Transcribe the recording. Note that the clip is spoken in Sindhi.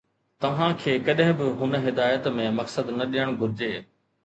توهان کي ڪڏهن به هن هدايت ۾ مقصد نه ڏيڻ گهرجي.